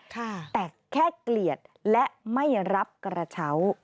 แต่แค่เกลียดและไม่รับกระเช้า